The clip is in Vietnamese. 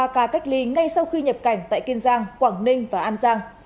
ba ca cách ly ngay sau khi nhập cảnh tại kiên giang quảng ninh và an giang